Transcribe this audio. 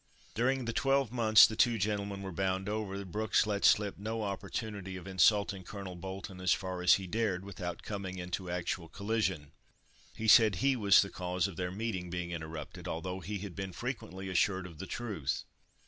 During the twelve months the two gentlemen were bound over, Brooks let slip no opportunity of insulting Colonel Bolton, as far as he dared without coming into actual collision. He said he was the cause of their meeting being interrupted, although he had been frequently assured of the truth.